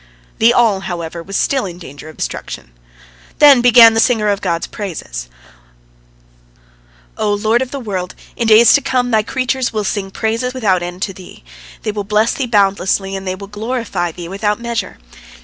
The all, however, was still in danger of destruction. Then began the singer of God's praises: "O Lord of the world, in days to come Thy creatures will sing praises without end to Thee, they will bless Thee boundlessly, and they will glorify Thee without measure.